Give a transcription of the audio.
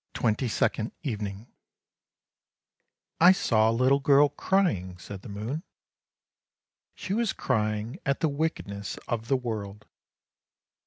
TWENTY SECOND EVENING " I saw a little girl crying," said the moon. " She was crying at the wickedness of the world.